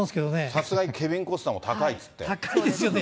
さすがにケビン・コスナーも高いですよね。